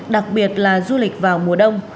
đặc biệt là du lịch vào mùa đông